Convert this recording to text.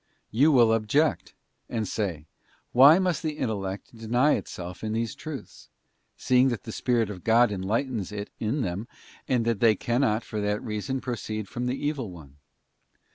You will object, and say, Why must the intellect deny itself in these truths, seeing that the Spirit of God enlightens it in them, and that they cannot for that reason proceed from the evil one?